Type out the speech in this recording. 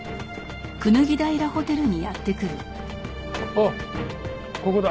あっここだ。